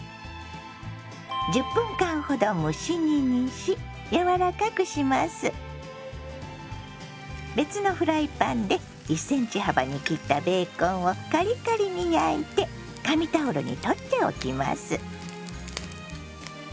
１０分間ほど別のフライパンで１ｃｍ幅に切ったベーコンをカリカリに焼いて紙タオルに取っておきます。